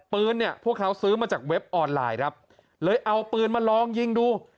ปืนเนี่ยพวกเขาซื้อมาจากเว็บออนไลน์ครับเลยเอาปืนมาลองยิงดู